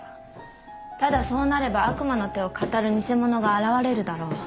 「ただそうなれば悪魔の手をかたる偽者が現れるだろう」